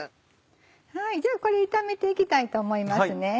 じゃあこれ炒めていきたいと思いますね。